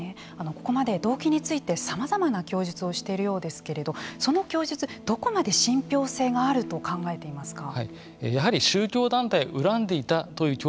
ここまで動機についてさまざまな供述をしているようですけれどその供述どこまで信ぴょう性があると考えていますか。